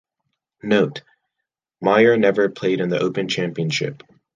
Note: Mayer never played in The Open Championship.